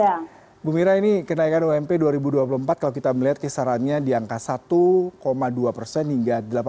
ibu mira ini kenaikan ump dua ribu dua puluh empat kalau kita melihat kisarannya di angka satu dua persen hingga delapan puluh